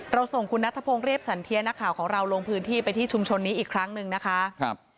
ส่งคุณนัทพงศ์เรียบสันเทียนักข่าวของเราลงพื้นที่ไปที่ชุมชนนี้อีกครั้งหนึ่งนะคะครับ